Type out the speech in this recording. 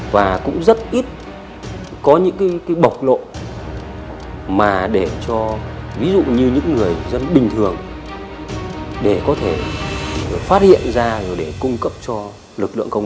và cũng rất ít có những bộc lộ mà để cho ví dụ như những người dân bình thường để có thể phát hiện ra để cung cấp cho lực lượng công an